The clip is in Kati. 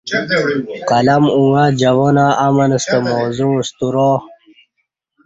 قلم اݣہ جوانہ امن ستہ موضوع سترا